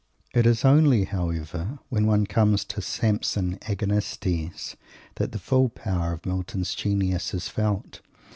It is only, however, when one comes to Samson Agonistes that the full power of Milton's genius is felt.